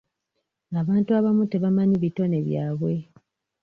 Abantu abamu tebamanyi bitone byabwe.